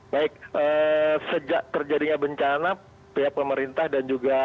baik sejak terjadinya bencana pihak pemerintah dan juga